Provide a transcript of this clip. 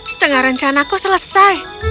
setengah rencana aku selesai